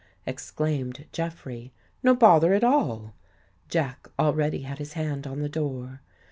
" exclaimed Jeffrey. " No bother at all." Jack already had his hand on the door.